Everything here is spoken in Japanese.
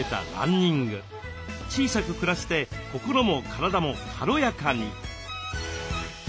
小さく暮らして心も体も軽やかに！